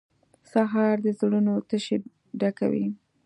سهار د زړونو تشې ډکوي.